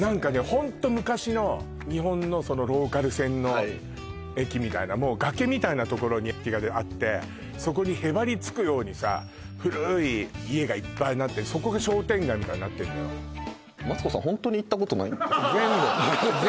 ホント昔の日本のローカル線の駅みたいなもう崖みたいな所に駅があってそこにへばりつくようにさ古い家がいっぱいになってるそこが商店街みたいになってるのマツコさん